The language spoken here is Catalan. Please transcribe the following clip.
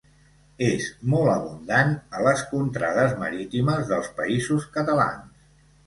És molt abundant a les contrades marítimes dels Països Catalans.